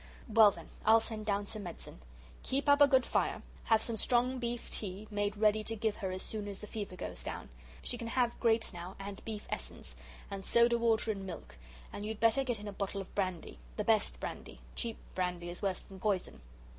"Well, then, I'll send down some medicine. Keep up a good fire. Have some strong beef tea made ready to give her as soon as the fever goes down. She can have grapes now, and beef essence and soda water and milk, and you'd better get in a bottle of brandy. The best brandy. Cheap brandy is worse than poison."